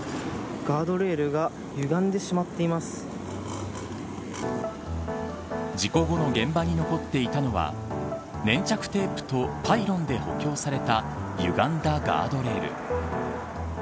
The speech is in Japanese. ガードレールが事故後の現場に残っていたのは粘着テープとパイロンで補強されたゆがんだガードレール。